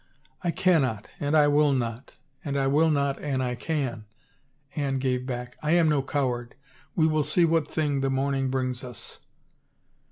" I cannot and I will not — and I will not an I can," Anne gave back. " I am no coward. We will see what thing the morning brings us."